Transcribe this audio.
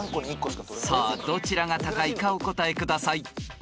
［さあどちらが高いかお答えください］